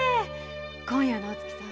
今夜のお月さま